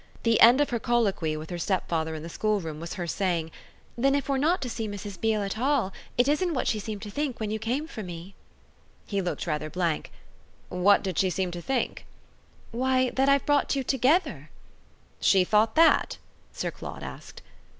The end of her colloquy with her stepfather in the schoolroom was her saying: "Then if we're not to see Mrs. Beale at all it isn't what she seemed to think when you came for me." He looked rather blank. "What did she seem to think?" "Why that I've brought you together." "She thought that?" Sir Claude asked.